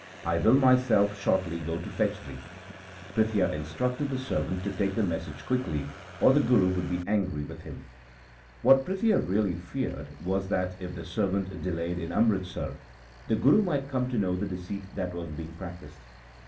I will myself shortly go to fetch thee.' Prithia instructed the servant to take the message quickly, or the Guru would be angry with him. What Prithia really feared was that if the servant delayed in Amritsar, the Guru might come to know the deceit that was being practised.